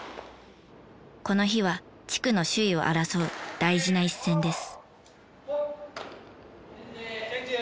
この日は地区の首位を争う大事な一戦です。